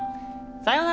さようなら！